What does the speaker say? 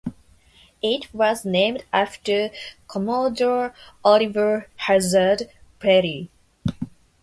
It was named after Commodore Oliver Hazard Perry.